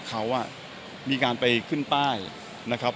เขามีการไปขึ้นป้ายนะครับ